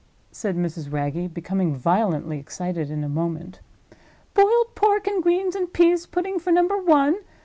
said Mrs. Wragge, becoming violently excited in a moment. "Boiled pork and greens and pease pudding, for Number One.